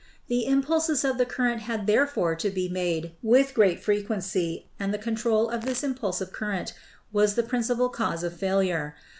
The impulses of the current had therefore to be made with great frequency, and the control of this impulsive current was the principal cause of fail ure.